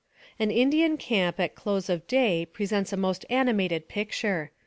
An Indian camp at close of day presents a most ani mated picture.